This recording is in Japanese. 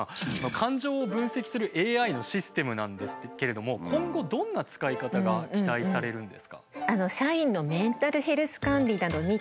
感情を分析するＡＩのシステムなんですけれども今後どんな使い方が期待されるんですか？